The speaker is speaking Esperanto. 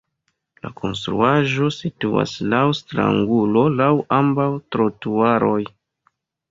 La konstruaĵo situas laŭ stratangulo laŭ ambaŭ trotuaroj.